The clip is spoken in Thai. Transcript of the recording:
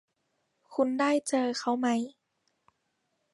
คุณได้เจอเขาไหม